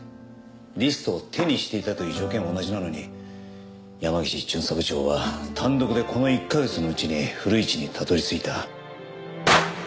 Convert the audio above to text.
リストを手にしていたという条件は同じなのに山岸巡査部長は単独でこの１カ月のうちに古市にたどり着いた。